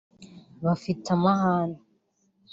bafite amahane